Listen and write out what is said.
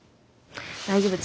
大丈夫。